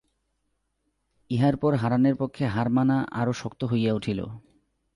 ইহার পর হারানের পক্ষে হার মানা আরো শক্ত হইয়া উঠিল।